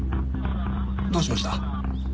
どうしました？